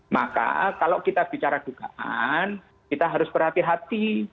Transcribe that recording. maka kalau kita bicara dugaan kita harus berhati hati